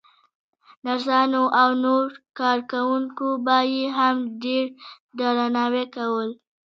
نرسانو او نورو کارکوونکو به يې هم ډېر درناوی کاوه.